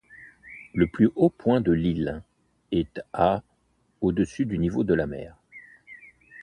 Le plus haut point de l'île est à au-dessus du niveau de la mer.